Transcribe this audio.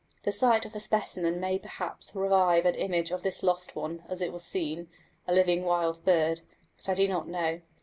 The sight of a specimen might perhaps revive an image of this lost one as it was seen, a living wild bird; but I do not know.